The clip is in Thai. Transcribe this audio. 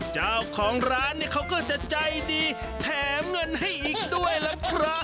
เจ้าของร้านเนี่ยเขาก็จะใจดีแถมเงินให้อีกด้วยล่ะครับ